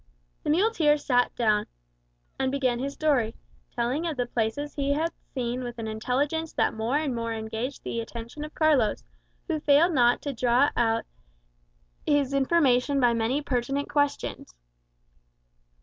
The muleteer sat down, and began his story, telling of the places he had seen with an intelligence that more and more engaged the attention of Carlos, who failed not to draw out his information by many pertinent questions.